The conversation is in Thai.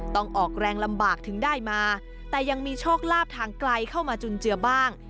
ต้องออกแรงลำบากถึงได้มาแต่ยังมีโชคลาภทางไกลเข้ามาจุนเจือบ้าง